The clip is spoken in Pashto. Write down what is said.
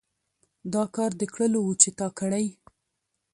دا کار د کړلو وو چې تا کړى.